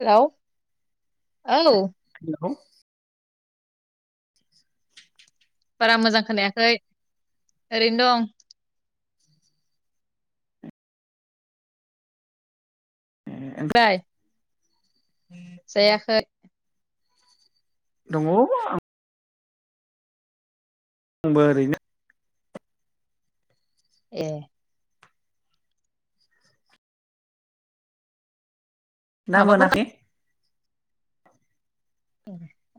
Hello. औ हेहेलौ। बारा मोजां खोनायाखै ओरैनो दं। ए नोंलाय? जायाखै। दङ आं आंबो ओरैनो। ए। ना माबाफोर मोनाखै?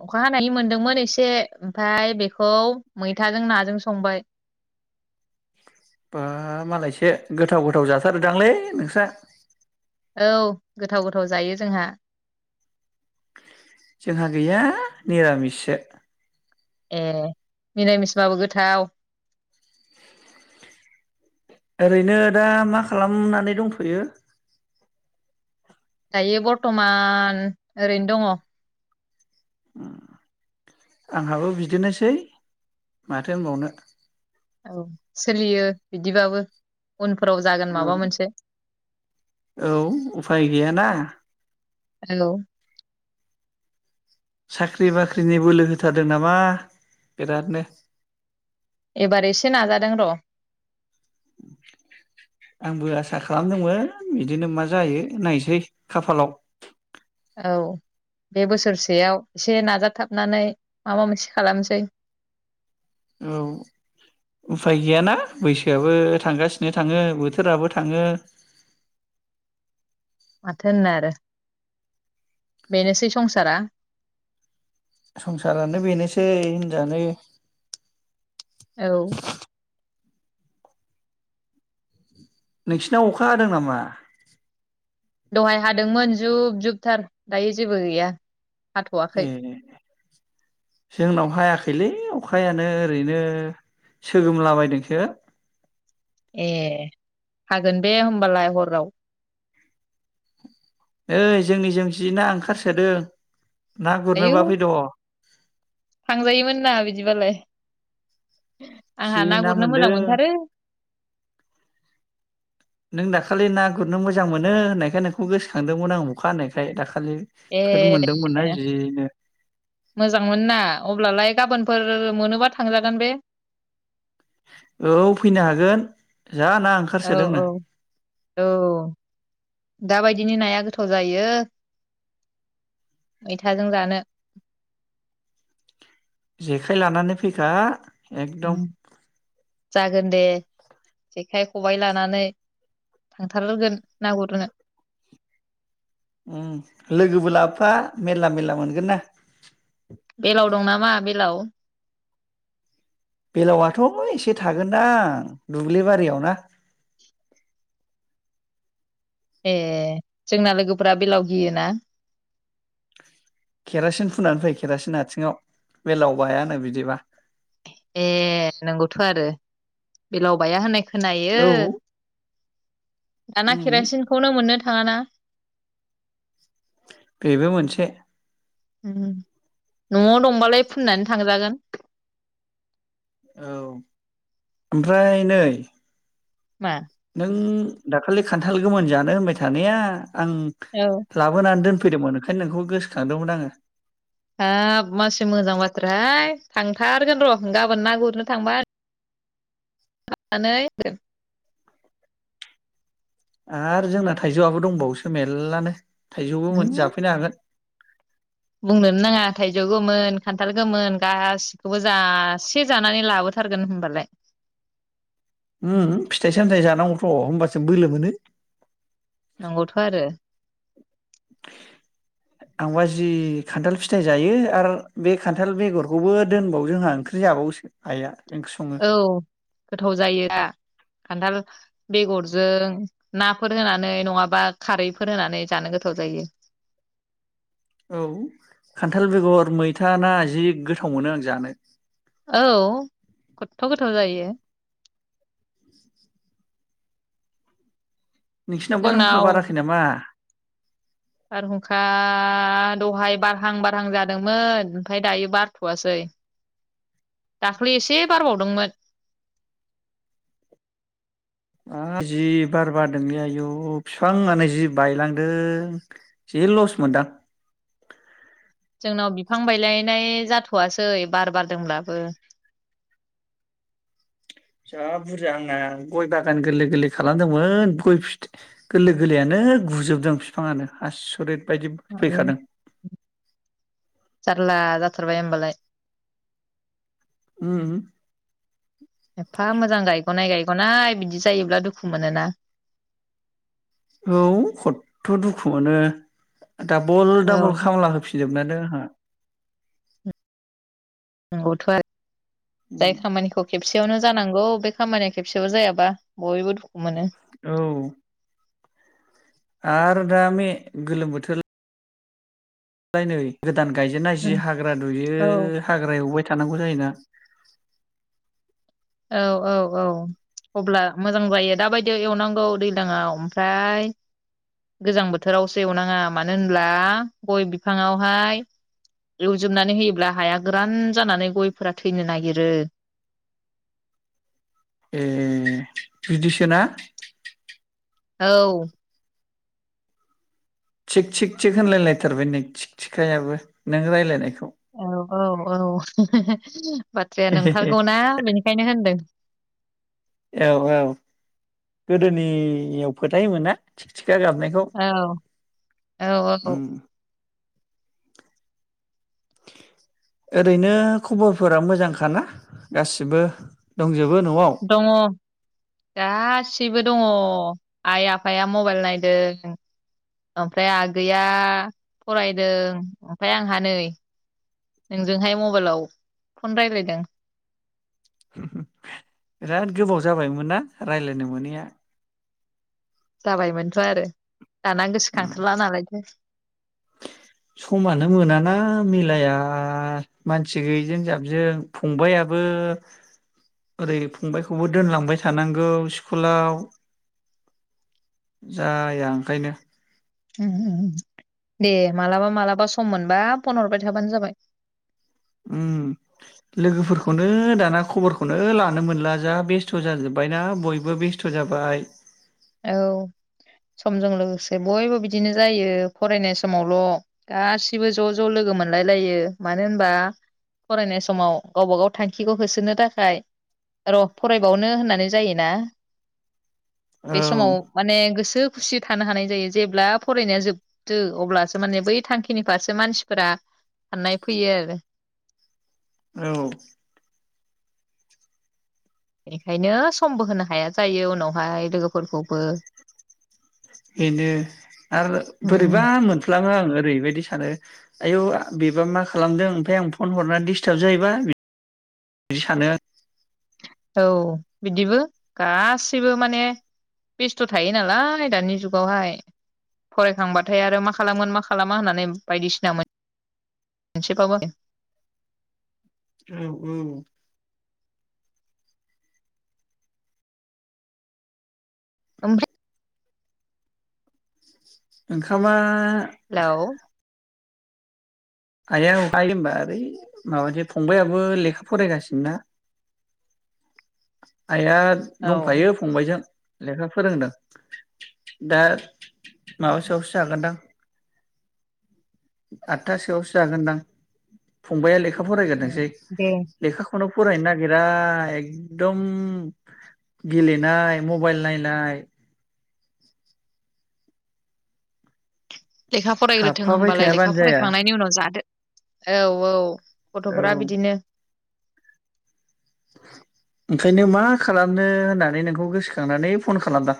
अखा हानायनि मोनदोंमोन एसे ओमफ्राय बेखौ मैथाजों नाजों संबाय। बा मालायसो गोथाव गोथाव जाथारोदांलै नोंस्रा। औ गोथाव गोथाव जायो जोंहा। जोंहा गैया निरामिससो। ए मिरामिस बाबो गोथाव। ओरैनो दा मा खालामनानै दंथ'यो? दायो बर्टमान ओरैनो दङ। आंहाबो बिदिनोसै माथो होनबावनो। औ सोलियो बिदिबाबो। उनफोराव जागोन औ माबा मोनसे। औ उफाय गैयाना। औ साख्रि बाख्रिनि बोलो होथारदों नामा बिरादनो? एबार एसे नाजादों र'। आंबो आसा खालामदोंमोन बिदिनो मा जायो नायसै खाफालाव औ। बे बोसोरसेयाव। एसे नाजाथाबनानै माबा मोनसे खालामसै। औ उफाय गैयाना बैसोआबो थांगासिनो थाङो बोथोराबो थाङो। माथो होननो आरो बेनोसै संसारा। संसारानो बेनोसै हिनजानो। औ। नोंसिनाव अखा हादों नामा? दहाय हादोंमोन जुब जुबथार दायो जेबो गैया। ए हाथ'वाखै जोंनाव हायाखैलै। अखायानो ओरैनो सोगोमलाबायदोंसो। ए हागोन बे होमबालाय हराव। ओइ जोंनि जों जि ना ओंखारसोदों। ना आयौ गुरनोबा फैद। थांजायोमोन ना बिदिबालाय। जि आंहा ना गुरनो मोजां मोनदों मोनथारो। नों दाखालि ना गुरनो मोजां मोनो होननायखाय नोंखौ गोसोखांदोंमोन आं अखा हानायखाय दाख ए ए ए मोजांमोन ना अब्लालाय गाबोन फोर मोनोबा थांजागोन बे औ फैनो हागोन। जा ना औ ओंखारसोदोंनो औ औ दाबाय दिनि नाया गोथाव जायो मैथाजों जानो। जेखाइ लानानै फैखा एकदम उम जागोन दे जेखाइ, खबाइ लानानै थांथारगोन ना गुरनो। उम लोगोबो लाबफा मेरला मेरला मोनगोन ना बेलाव दं नामा बेलाव? बेलावआथ' एसे थागोनदां दुब्लिबारियाव ना ए जोंना लोगोफोरा बेलाव गियोना केरासिन फुनानै फै केरासिन आथिङाव बेलाव बायानो बिदिबा ए नंगौथ' आरो बेलाव बाया होननाय‌ खोनायो औ दाना उम केरासिनखौनो मोननो थ थाङा ना बेबो मोनसे उम न'आव दंबालाय फुननानै थांजागोन। औ ओमफ्राय नै मा? नों दाखालि खान्थाल गोमोन जानो होनबाय थानाया आं औ लाबोनानै दोन फैदोंमोन ओंखायनो नोंखौ गोसोखांदोंमोन आङो। हाब मानसि मोजां बाथ्राहाय थांथारगोन र' गाबोन ना गुरनो थांबा । थानानै जोब आरो जोंना थाइजौआबो दंबावोसो मेललानो। थाइजौ गोमोन जाफैनो हागोन। बुंनोनो नाङा थाइजौ गोमोन खान्थाल गोमोन गासिखौबो जासे जानानै लाबोथारगोन होनबालाय उम फिथाइ सामथाय जानांगौथ' होमबासो बोलो मोनो। नंगौथ' आरो आंबा जि खान्थाल फिथाय जायो आरो बे खान्थाल बेगरखौबो दोनबावो जोंहा ओंख्रि जाबावोसो आइआ। ओंख्रि सङो औ गोथाव जायो दा खान्थाल बेगरजों नाफोर होनानै नङाबा खारैफोर होनानै जानो गोथाव जायो। औ खान्थाल बेगर मैथा ना जि गोथाव मोनो आं जानो। औ खदथ' गोथाव जायो‌। नोंसिनाव बारहुंखा बाराखै नामा? बारहुंखा दहाय बारहां बारहां जादोंमोन ओमफाय दायो बारथ'वासै दाखलि एसे बारबावदोंमोन। हा जि बार बारदोंलै आयु फिफाङानो जि बायलांदों। जि लस मोनदां। जोंनाव बिफां बायलायनाय जाथ'वसै बार बारदोंब्लाबो। जा बुरजा आंना गय बागान गोरलै गोरलै खालामदोंमोन गय फिथ गोरलै गोरलैयानो गुजोबदों फिफाङानो‌ आसरिद। बायदि आयौ फैखादों। जारला जाथारबाय होमबालाय। उम। एफा मोजां गायग'नाय गायग'नाय बिदि जायोब्ला दुखु मोनोना। औ खदथ' दुखु‌ मोनो। डाबल डाबल औ खामला होफिनजोबना दों आंहा। नोंगौथ' आरो। जाय खामानिखौ खेबसे सेयावनो जानांगौ बे खामानिया खेबसेबो जायाबा बयबो दु औ। आरो दा बेे गोलोम बोथोर फ्राय नै गोदान गायजेननाय जि हाग्रा दुयो औ हाग्रा एवबाय थानांगौ जायोना। औ औ औ अब्ला मोजां जायो दाबायदि एवनांगौ दैलांआव ओमफ्राय गोजां बोथोरावसो एवनाङा मानो होनब्ला गय बिफाङावहाय एवजोबनानै होयोब्ला हाया गोरान जानानै गयफोरा थैनो नागिरो। ए बिदिसोना औ। थिग थिग थिग होनलायलायथारबाय नै थिग थिगथिखायाबो नों रायज्लायनायखौ। औ औ औ। बाथ्राया नंथारगौना बेनिखायनो होनदों। औ औ गोदोनियाव फोथायोमोना थिगथिग खिया गाबनायखौ। औ औ औ ओरैनो खबरफोरा मोजांखाना गासिबो दं दङ गासैबो दङ। आइ आफाया मबाइल नायदों ओमफ्राय आगैया फरायदों ओमफ्राय आंहा नै नोंजोंहाय मबाइलाव फन राय्लायदों। बिराद गोबाव जाबायमोन ना रायलायनो मोनैया। जाबायमोनथ' आरो। दाना उम गोसोखांथारला नालायथो। समानो मोनाना मिलाया मानसि गैयिजों जाबजों फंबायाबो ओरै फंबायखौबो दोनलांबाय थानांगौ स्कुलाव जाया ओंखायनो। दे मालाबा मालाबा सम मोनबा फन हबाय थाबानो जाबाय। उम लोगोफोरखौनो दाना खबरखौनो लानो मोनला जा बेस्थ' जाजोबबायना बयबो बेस्थ' जाबाय। औ समजों लोगोसे बयबो बिदिनो जायो फरायनाय समावल' गासिबो ज' ज' लोगो मोनलायलायो मानो होनबा फरायनाय समाव गावबा गाव थांखिखौ होसोनो थाखाय र' फरायबावनो होननानै जायोना। बे समाव औ माने गोसो खुसि थानो हानाय जायो जेब्ला फरायनाया जोबदो अब्लासो माने बै थांखिनि फारसे मानसिफोरा साननाय फैयो । औ। बेनिखायनो समबो होनो हाया जायो उनावहाय लोगोफोरखौबो बेनो आरो उम बोरैबा मोनफ्लाङो आं आङो ओरैबायदि सानो आयौ बेबा मा खालामदों ओमफ्राय आं फन हरनानै दिस्टार्ब जायोबा बिदि सानो औ बिदिबो गासैबो माने बेस्थ' थायो नालाय दानि जुगावहाय फरायखांबाथाय आरो मा खालामोन मा खालामा होननानै बायदिसिना मोनसेबाबो औ औ ओमफ्राय ओंखामा हेलौ हायावय बाय होनबा ओरै माबास फंबायाइाबो लेखा फरायगासिनोना आइआ औ दंफायो फंबायाइजों लेखा फोरोंदों दा माबासोआवसो जागोनदां आतथासोआवसो जागोनदां फंबआ लेखा फरायग्रदोंसै दे लेखाखौनो फरायनो नागिरा एकदम गेलेनाय मबाइल नायनाय [inaudible] लेखा फरायग्रोथों थाफाबाय होनबालाय लेखा थायाबानो जाया फरायखांनायनि उनाव जादो औ औ औ गथ'फोरा बिदिनो ओंखायनो मा खालामनो होननानै नोंखौ गोसोखांनानै फन खालामदां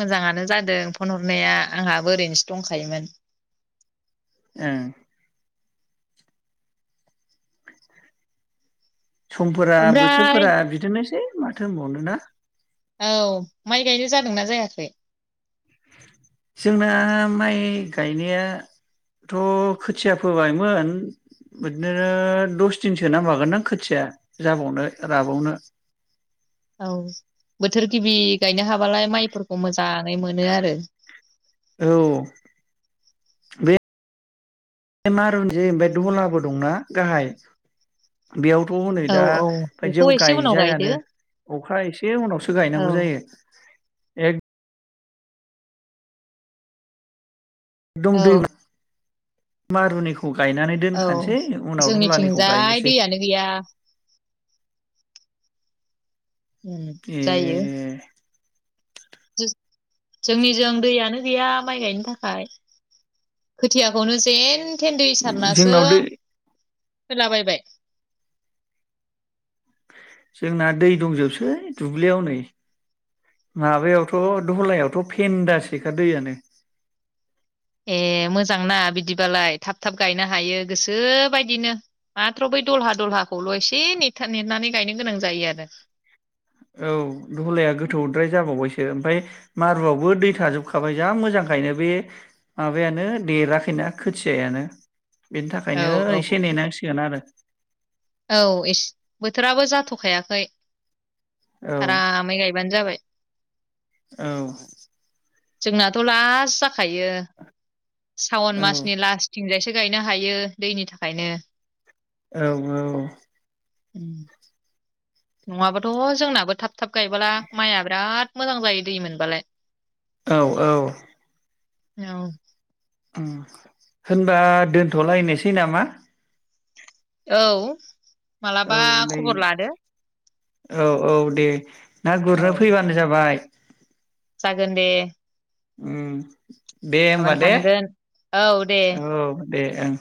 मोजाङानो जादों फन हरनाया आंहाबो ओरैनोसो दंखायोमोन ओं समफोरा ओमफ्राय बोथोरफोरा बिदिनोसै माथो होनबावनोना औ माइ गायनाय जादोंना जायाखै जोंना माइ गायनायाथ' खोथिया फोबायमोन बिदिनो दस दिनसो नांबावगोन दां खोथिया जाबावनो राबावनो औ बोथोर गिबि गायनो हाबालाय माइफोरखौ मोजां जानाय मोनो आरो औ बे मारुनजे ओमफ्राय दलाबो दंना गाहाय बेयावथ' हनै औ दा औ बेखौ बायदियाव एसे उनाव गायदो गायजायानो अखा एसे उनावसो औ गायनांगौ जायो। एक दं औ दैबो मारुनिखौ खौ गायनानै औ दोनखानोसै उनाव दलानिखौ जोंनिथिंजाय गायनोसै दैयानो गैया ओम ए जायो दे [unintelligible] जोंनिजों दैयानो गैया माइ गायनो थाखाय खोथियाखौनो जे जेन थेन दै सारनासो जोंनाव दै फोलाबायबाय । जोंना दै दंजोबसै दुब्लियाव नै माबायावथ' दहलायावथ' फेन्दासेखा दैयानो। ए मोजांना बिदिबालाय थाब थाब गायनो हायो गोसोबायदिनो माथ्र बै दलहा दलहाखौल' एसे नेथ नेेनानै गायनो गोनां जायो आरो। औ दहलाया गोथौद्राय जाबावबायसो ओमफ्राय मारुआवबो दै थाजोबखाबाय जा मोजांखायनो बे माबायानो देराखैना खोथियायानो। बेनि थाखायनो आरो औ एसे नेनांसिगोन आरो। औ एस बोथोराबो जाथ'खायाखै। औ आरामै गायबानो जाबाय। [inaudible] औ जोंनाथ' लास्ट जाखायो। सावन औ मासनि लास्टथिं जायसो। गायनो हायो दैनि थाखायनो । औ औ उम नङाबथ' जोंनाबो थाब थाब गायबोला माइआ बिराद मोजां जायो दै मोनबालाय । औ औ औ होनबा दोनथ'लायनोसै नामा? औ औ मालाबा नै खबर लादो । औ औ दे। ना औ गुरनो फैबानो जाबाय । जागोन दे । उम दे होमबा गाबोन दे थांगोन औ दे औ । दे ओं